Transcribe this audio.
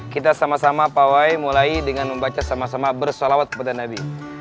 kita sama sama pawai mulai dengan membaca sama sama bersalawat kepada nabi